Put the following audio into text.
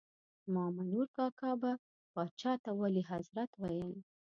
مامنور کاکا به پاچا ته ولي حضرت ویل.